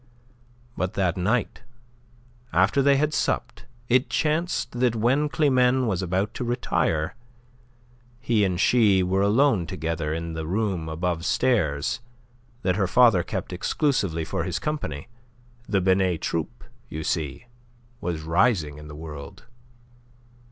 But that night, after they had supped, it chanced that when Climene was about to retire, he and she were alone together in the room abovestairs that her father kept exclusively for his company. The Binet Troupe, you see, was rising in the world.